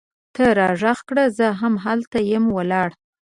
ته را ږغ کړه! زه هم هلته یم ولاړه